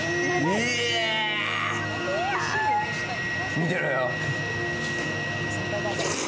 見てろよ。